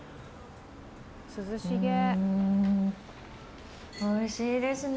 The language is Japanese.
うーん、おいしいですね。